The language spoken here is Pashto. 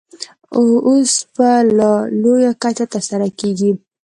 اوس په لا لویه کچه ترسره کېږي.